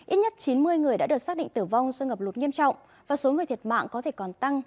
ít nhất chín mươi người đã được xác định tử vong do ngập lụt nghiêm trọng và số người thiệt mạng có thể còn tăng